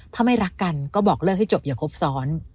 ถ้าไม่รักกันก็บอกเลิกให้จบอย่าครบซ้อน